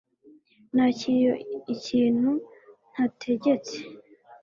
Nakiriye ikintu ntategetse